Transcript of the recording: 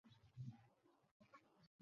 তা হলে সম্পাদকরা যে মেরেই ফেলবে।